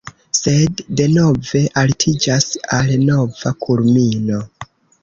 Sed denove altiĝas al nova kulmino.